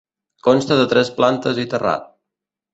Consta de tres plantes i terrat.